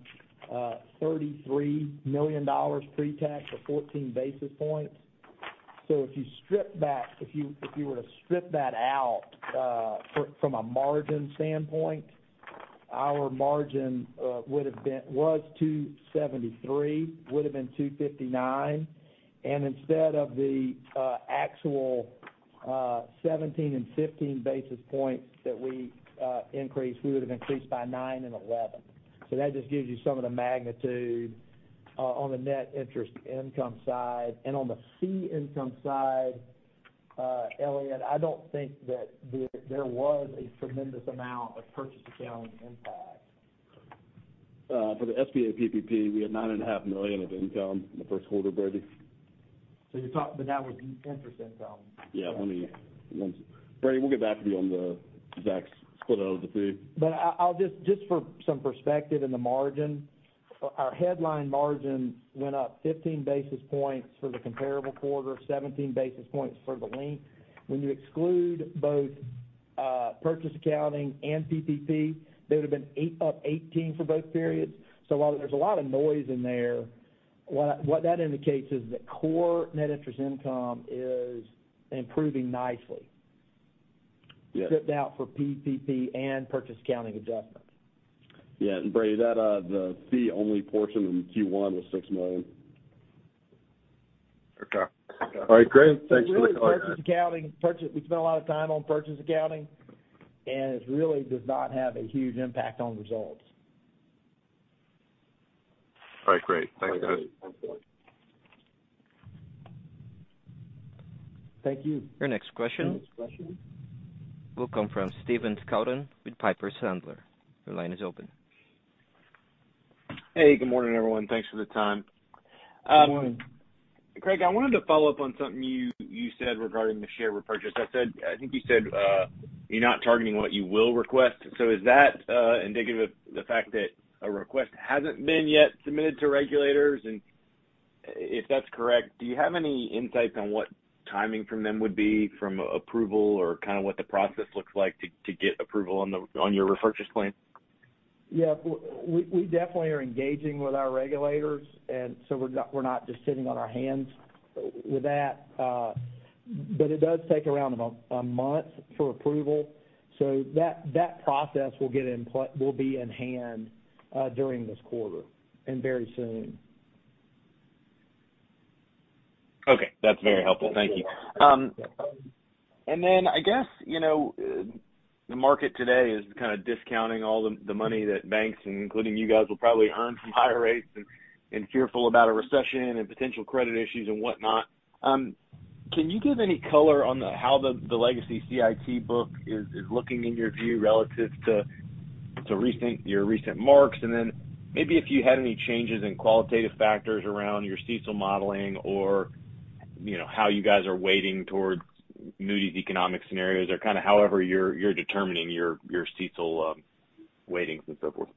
Speaker 4: $33 million pre-tax or 14 basis points. If you were to strip that out from a margin standpoint, our margin was 273, would have been 259. Instead of the actual 17 and 15 basis points that we increased, we would have increased by 9 and 11. That just gives you some of the magnitude on the net interest income side. On the fee income side, Elliot, I don't think that there was a tremendous amount of purchase accounting impact.
Speaker 7: For the SBA PPP, we had $9.5 million of income in the first quarter, Brady.
Speaker 4: that was interest income.
Speaker 7: Brady, we'll get back to you on the exact split out of the fee.
Speaker 4: I'll just for some perspective in the margin, our headline margin went up 15 basis points for the comparable quarter, 17 basis points for the link. When you exclude both purchase accounting and PPP, that would have been 8 up 18 for both periods. While there's a lot of noise in there, what that indicates is that core net interest income is improving nicely.
Speaker 6: Yes.
Speaker 4: stripped out for PPP and purchase accounting adjustments.
Speaker 7: Yeah. Brady, that the fee-only portion in Q1 was $6 million.
Speaker 5: Okay. All right, great. Thanks for the color.
Speaker 4: Really, purchase accounting, we spend a lot of time on purchase accounting, and it really does not have a huge impact on results.
Speaker 5: All right, great. Thanks, guys.
Speaker 4: Thank you.
Speaker 1: Your next question will come from Stephen Scouten with Piper Sandler. Your line is open.
Speaker 8: Hey, good morning, everyone. Thanks for the time.
Speaker 4: Good morning.
Speaker 8: Craig, I wanted to follow up on something you said regarding the share repurchase. I think you said you're not targeting what you will request. Is that indicative of the fact that a request hasn't been yet submitted to regulators? If that's correct, do you have any insight on what timing from them would be from approval or kind of what the process looks like to get approval on your repurchase plan?
Speaker 4: Yeah. We definitely are engaging with our regulators, and so we're not just sitting on our hands with that. It does take around about a month for approval. That process will be in hand during this quarter and very soon.
Speaker 8: Okay. That's very helpful. Thank you. I guess, you know, the market today is kind of discounting all the money that banks, including you guys, will probably earn from higher rates and fearful about a recession and potential credit issues and whatnot. Can you give any color on how the legacy CIT book is looking in your view relative to your recent marks, and then maybe if you had any changes in qualitative factors around your CECL modeling or, you know, how you guys are weighting towards Moody's economic scenarios or kind of however you're determining your CECL weightings and so forth.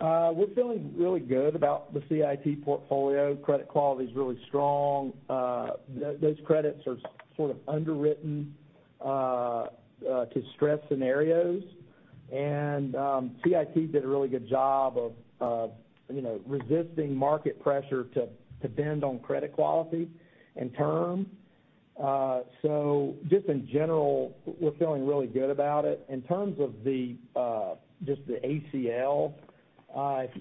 Speaker 4: We're feeling really good about the CIT portfolio. Credit quality is really strong. Those credits are sort of underwritten to stress scenarios. CIT did a really good job of, you know, resisting market pressure to bend on credit quality and term. Just in general, we're feeling really good about it. In terms of just the ACL,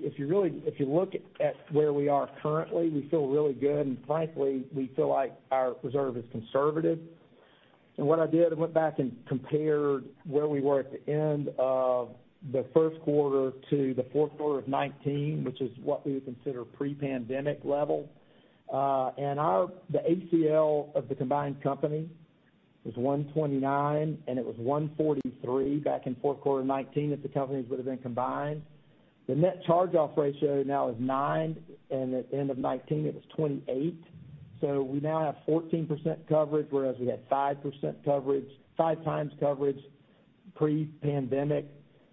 Speaker 4: if you look at where we are currently, we feel really good. Frankly, we feel like our reserve is conservative. What I did, I went back and compared where we were at the end of the first quarter to the fourth quarter of 2019, which is what we would consider pre-pandemic level. The ACL of the combined company was $129, and it was $143 back in fourth quarter 2019, if the companies would have been combined. The net charge-off ratio now is 9%, and at the end of 2019, it was 28%. We now have 14% coverage, whereas we had 5% coverage, five times coverage pre-pandemic.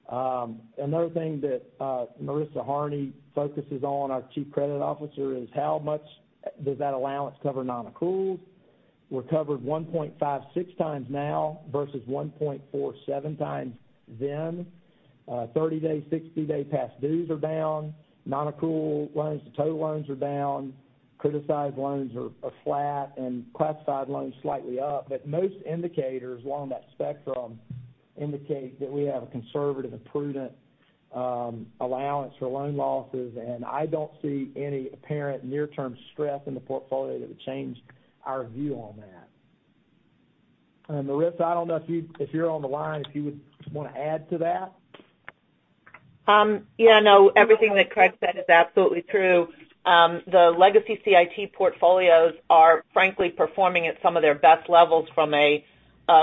Speaker 4: Another thing that Marisa Harney focuses on, our Chief Credit Officer, is how much does that allowance cover non-accruals. We're covered 1.56 times now versus 1.47 times then. Thirty-day, sixty-day past dues are down. Non-accrual loans to total loans are down. Criticized loans are flat and classified loans slightly up. Most indicators along that spectrum indicate that we have a conservative and prudent allowance for loan losses. I don't see any apparent near-term stress in the portfolio that would change our view on that. Marisa, I don't know if you're on the line, if you would want to add to that.
Speaker 9: Yeah, no, everything that Craig said is absolutely true. The legacy CIT portfolios are frankly performing at some of their best levels from a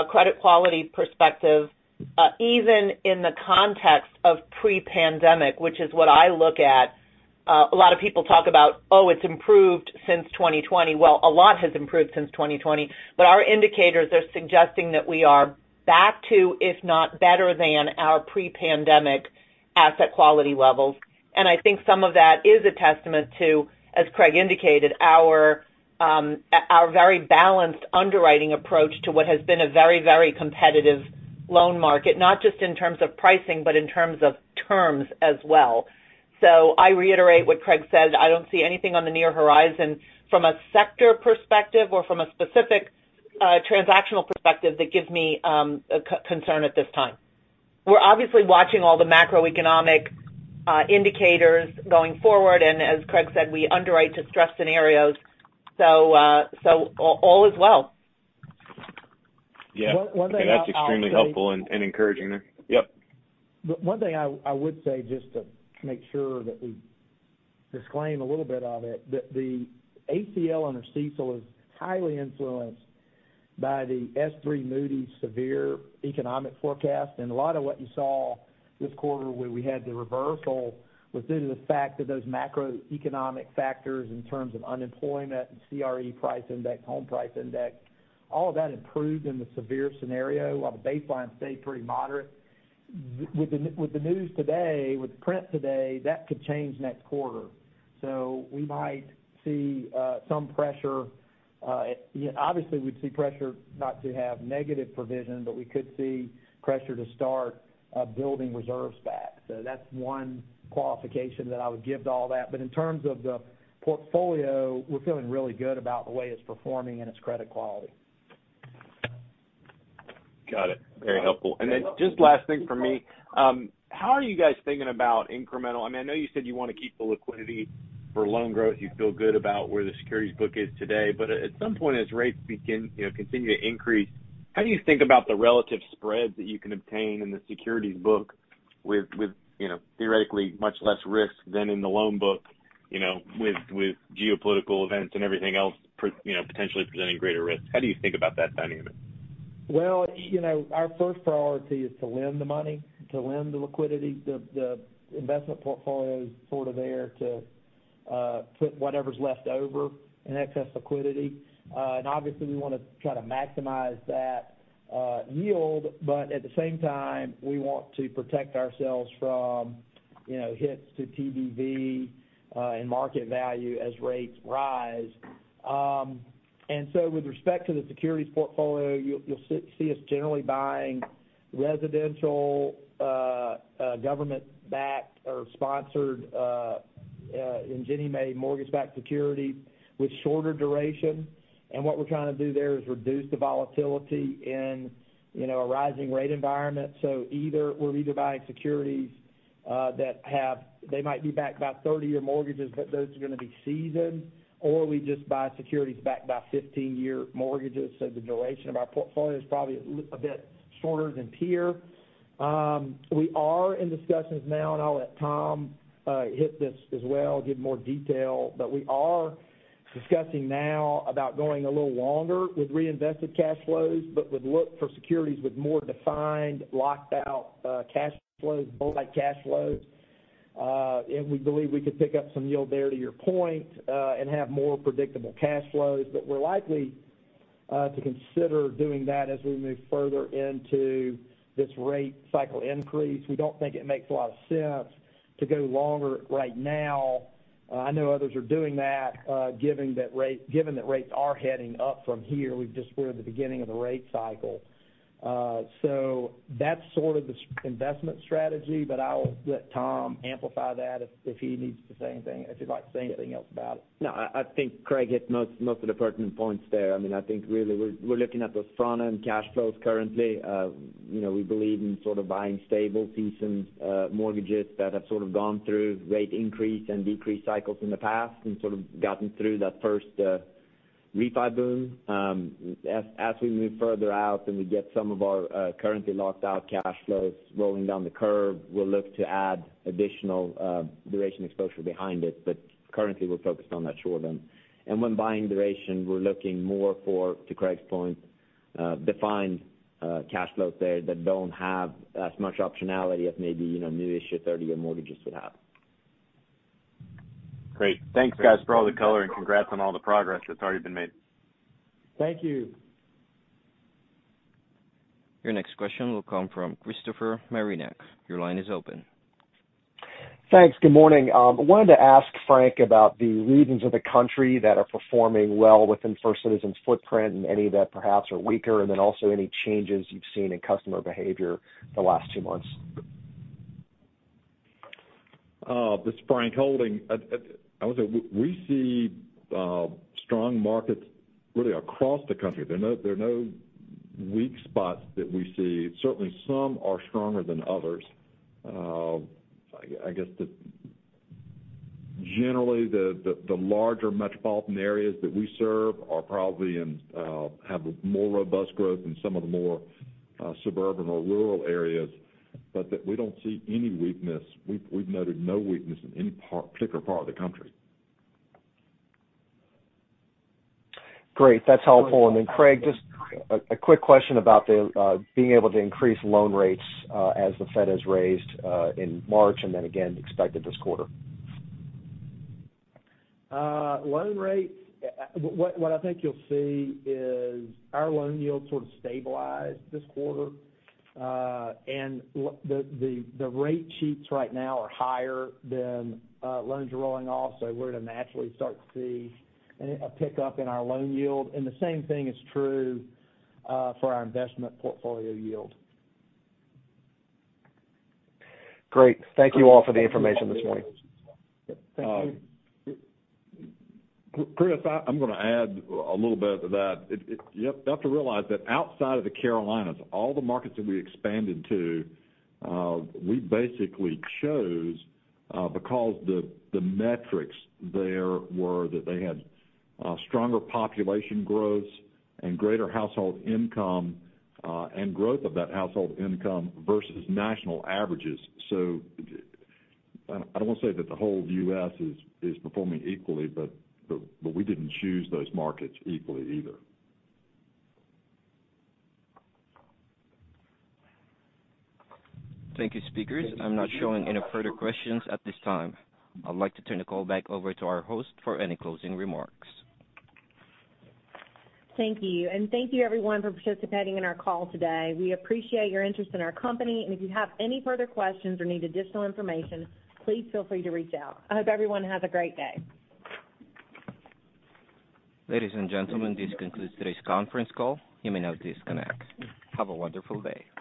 Speaker 9: credit quality perspective, even in the context of pre-pandemic, which is what I look at. A lot of people talk about, "Oh, it's improved since 2020." Well, a lot has improved since 2020. Our indicators are suggesting that we are back to, if not better than our pre-pandemic asset quality levels. I think some of that is a testament to, as Craig indicated, our very balanced underwriting approach to what has been a very, very competitive loan market, not just in terms of pricing, but in terms of terms as well. I reiterate what Craig said. I don't see anything on the near horizon from a sector perspective or from a specific transactional perspective that gives me a concern at this time. We're obviously watching all the macroeconomic indicators going forward. As Craig said, we underwrite to stress scenarios. All is well.
Speaker 8: Yeah.
Speaker 4: One thing I-
Speaker 8: That's extremely helpful and encouraging there. Yep.
Speaker 4: One thing I would say just to make sure that we disclaim a little bit of it, that the ACL under CECL is highly influenced by the S3 Moody's severe economic forecast. A lot of what you saw this quarter where we had the reversal was due to the fact that those macroeconomic factors in terms of unemployment and CRE price index, home price index, all of that improved in the severe scenario, while the baseline stayed pretty moderate. With the news today, with print today, that could change next quarter. We might see some pressure, obviously, we'd see pressure not to have negative provision, but we could see pressure to start building reserves back. That's one qualification that I would give to all that. In terms of the portfolio, we're feeling really good about the way it's performing and its credit quality.
Speaker 8: Got it. Very helpful. Just last thing from me, how are you guys thinking about incremental? I mean, I know you said you wanna keep the liquidity for loan growth. You feel good about where the securities book is today. At some point, as rates begin, you know, continue to increase, how do you think about the relative spreads that you can obtain in the securities book with, you know, theoretically much less risk than in the loan book, you know, with geopolitical events and everything else, you know, potentially presenting greater risk? How do you think about that dynamic?
Speaker 4: Well, you know, our first priority is to lend the money, to lend the liquidity. The investment portfolio is sort of there to put whatever's left over in excess liquidity. Obviously, we want to try to maximize that yield, but at the same time, we want to protect ourselves from, you know, hits to TBVPS and market value as rates rise. With respect to the securities portfolio, you'll see us generally buying residential government-backed or sponsored and Ginnie Mae mortgage-backed security with shorter duration. What we're trying to do there is reduce the volatility in, you know, a rising rate environment. Either we're buying securities, they might be backed by 30-year mortgages, but those are gonna be seasoned, or we just buy securities backed by 15-year mortgages. The duration of our portfolio is probably a bit shorter than peer. We are in discussions now, and I'll let Tom hit this as well, give more detail. We are discussing now about going a little longer with reinvested cash flows, but would look for securities with more defined, locked out, bullet-like cash flows. We believe we could pick up some yield there to your point, and have more predictable cash flows. We're likely to consider doing that as we move further into this rate cycle increase. We don't think it makes a lot of sense to go longer right now. I know others are doing that, given that rates are heading up from here. We're just at the beginning of the rate cycle. That's sort of the investment strategy, but I will let Tom amplify that if he needs to say anything, if he'd like to say anything else about it.
Speaker 6: No, I think Craig hit most of the pertinent points there. I mean, I think really we're looking at those front-end cash flows currently. You know, we believe in sort of buying stable, decent mortgages that have sort of gone through rate increase and decrease cycles in the past and sort of gotten through that first refi boom. As we move further out and we get some of our currently locked out cash flows rolling down the curve, we'll look to add additional duration exposure behind it. Currently we're focused on that short term. When buying duration, we're looking more for, to Craig's point, defined cash flows there that don't have as much optionality as maybe, you know, new issue thirty-year mortgages would have.
Speaker 8: Great. Thanks, guys, for all the color and congrats on all the progress that's already been made.
Speaker 4: Thank you.
Speaker 1: Your next question will come from Christopher Marinac. Your line is open.
Speaker 10: Thanks. Good morning. Wanted to ask Frank about the regions of the country that are performing well within First Citizens' footprint and any that perhaps are weaker, and then also any changes you've seen in customer behavior the last two months.
Speaker 3: This is Frank Holding. I would say we see strong markets really across the country. There are no weak spots that we see. Certainly, some are stronger than others. I guess generally the larger metropolitan areas that we serve probably have more robust growth than some of the more suburban or rural areas, but we don't see any weakness. We've noted no weakness in any particular part of the country.
Speaker 10: Great. That's helpful. Craig Nix, just a quick question about the being able to increase loan rates as the Fed has raised in March and then again expected this quarter?
Speaker 4: Loan rates, what I think you'll see is our loan yields sort of stabilize this quarter. The rate sheets right now are higher than loans rolling off, so we're gonna naturally start to see a pickup in our loan yield. The same thing is true for our investment portfolio yield.
Speaker 10: Great. Thank you all for the information this morning.
Speaker 4: Thank you.
Speaker 3: Chris, I'm gonna add a little bit to that. You have to realize that outside of the Carolinas, all the markets that we expanded to, we basically chose because the metrics there were that they had stronger population growths and greater household income, and growth of that household income versus national averages. I don't wanna say that the whole U.S. is performing equally, but we didn't choose those markets equally either.
Speaker 1: Thank you, speakers. I'm not showing any further questions at this time. I'd like to turn the call back over to our host for any closing remarks.
Speaker 2: Thank you. Thank you everyone for participating in our call today. We appreciate your interest in our company, and if you have any further questions or need additional information, please feel free to reach out. I hope everyone has a great day.
Speaker 1: Ladies and gentlemen, this concludes today's conference call. You may now disconnect. Have a wonderful day.